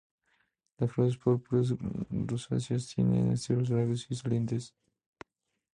Las flores púrpuras rosáceas tienen estilos largos y salientes.